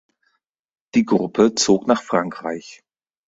Die Gruppe zog nach Frankreich.